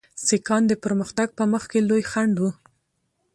سیکهان د پرمختګ په مخ کې لوی خنډ وو.